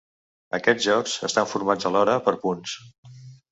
Aquests jocs estan formats alhora per punts.